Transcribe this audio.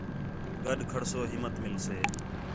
گݙ کھڑسو ہِمّت مِلسے